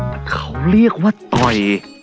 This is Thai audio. แต่เขาเรียกว่าต่อย